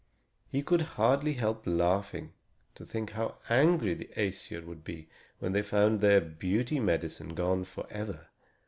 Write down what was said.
He could hardly help laughing to think how angry the Æsir would be when they found their beauty medicine gone forever.